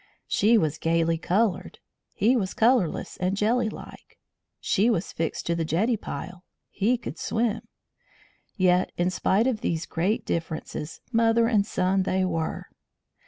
She was gaily coloured; he was colourless and jelly like. She was fixed to the jetty pile; he could swim. Yet, in spite of these great differences, mother and son they were.